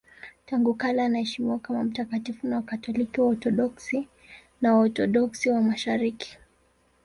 Tangu kale anaheshimiwa kama mtakatifu na Wakatoliki, Waorthodoksi na Waorthodoksi wa Mashariki.